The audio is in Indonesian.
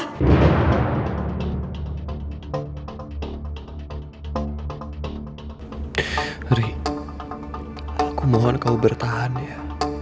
heri aku mohon kau bertahan ya